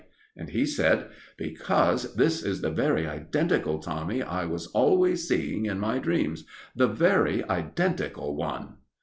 And he said: "Because this is the very identical Tommy I was always seeing in my dreams the very identical one!"